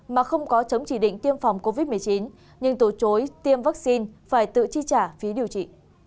mà không có chấm chỉ định tiêm phòng covid một mươi chín nhưng từ chối tiêm vaccine phải tự chi trả phí điều trị